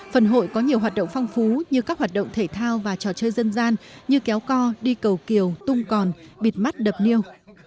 phần hội có nhiều hoạt động phong phú như các hoạt động thể thao và trò chơi dân gian như kéo co đi cầu kiều tung còn bịt mắt đập niêu